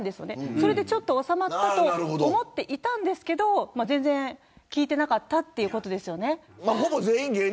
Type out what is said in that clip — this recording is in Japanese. それで収まったと思っていたんですけど全然効いていなかったということですよね。